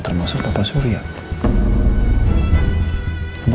termasuk papa surya